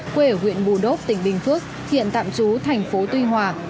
quê ở huyện bù đốc tỉnh bình phước hiện tạm trú thành phố tuy hòa